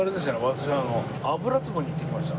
私あの油壺に行ってきました。